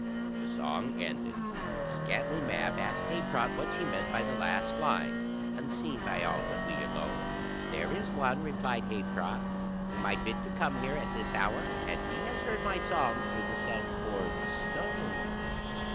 The song ended, Scantlie Mab asked Habetrot what she meant by the last line, "Unseen by all but we alone." "There is one," replied Habetrot, "whom I bid to come here at this hour, and he has heard my song through the self bored stone."